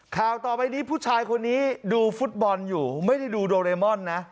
ข่าวต่อไปนี้ผู้ชายคนนี้ดูฟุตบอลอยู่ไม่ได้ดูโดเรมอนนะ